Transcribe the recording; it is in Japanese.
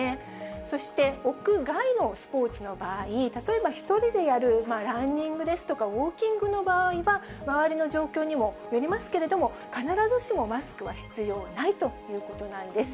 そして屋外のスポーツの場合、例えば１人でやるランニングですとか、ウォーキングの場合は、周りの状況にもよりますけど、必ずしもマスクは必要ないということなんです。